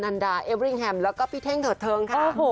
ันดาเอเวริงแฮมแล้วก็พี่เท่งเถิดเทิงค่ะ